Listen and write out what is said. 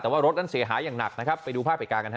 แต่ว่ารถนั้นเสียหายังหนักนะครับไปดูภาพไอการกันครับ